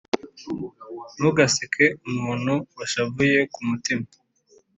Ntugaseke umuntu washavuye ku mutima,